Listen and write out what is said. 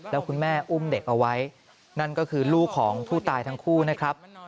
แล้วคุณแม่อุ้มเด็กเอาไว้นั่นก็คือลูกของผู้ตายทั้งคู่นะครับ